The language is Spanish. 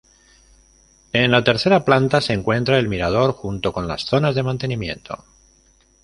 En la tercera planta se encuentra el mirador junto con las zonas de mantenimiento.